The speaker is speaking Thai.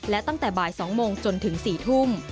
และตั้งแต่บ่าย๒โมงจนถึง๔ทุ่ม